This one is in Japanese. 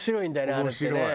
あれってね。